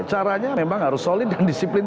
caranya memang harus solid dan disiplin